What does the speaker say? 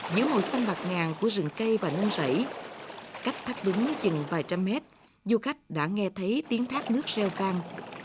giữa màu xanh bạc ngàn của rừng cây và nông rẫy cách thác đứng chừng vài trăm mét du khách đã nghe thấy tiếng thác nước reo vang